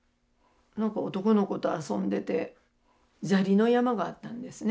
何か男の子と遊んでて砂利の山があったんですね。